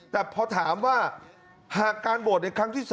แต่พอถามว่าหากการโหวตในครั้งที่๓